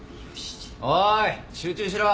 おい集中しろ！